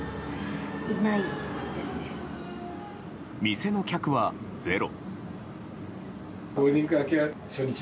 店の客は、ゼロ。